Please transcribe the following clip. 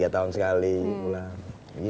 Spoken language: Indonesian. tiga tahun sekali pulang